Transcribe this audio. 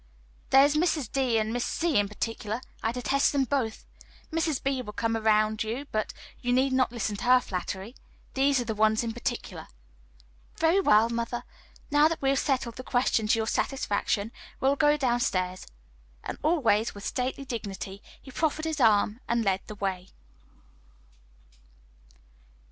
"There is Mrs. D. and Miss C. in particular. I detest them both. Mrs. B. also will come around you, but you need not listen to her flattery. These are the ones in particular." "Very well, mother; now that we have settled the question to your satisfaction, we will go down stairs;" and always with stately dignity, he proffered his arm and led the way.